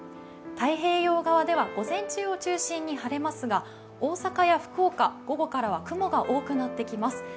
太平洋側では午前中を中心に晴れますが大阪や福岡は午後から雲が多くなってきます。